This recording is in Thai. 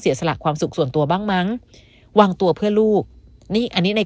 สลักความสุขส่วนตัวบ้างมั้งวางตัวเพื่อลูกนี่อันนี้ใน